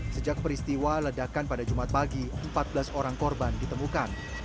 sejak peristiwa ledakan pada jumat pagi empat belas orang korban ditemukan